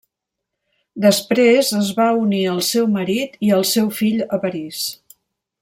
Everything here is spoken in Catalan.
Després es va unir al seu marit i al seu fill a París.